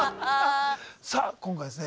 さあ今回ですね